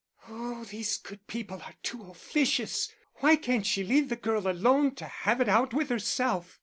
"Oh, these good people are too officious! Why can't she leave the girl alone to have it out with herself!"